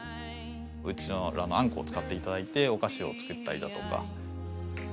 うちのあんこを使っていただいてお菓子を作ったりだとか。